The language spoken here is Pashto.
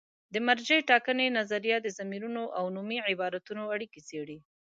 د مرجع ټاکنې نظریه د ضمیرونو او نومي عبارتونو اړیکې څېړي.